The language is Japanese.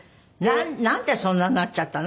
なんでそんなになっちゃったの？